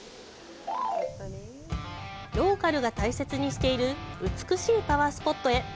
ローカルが大切にしている美しいパワースポットへ。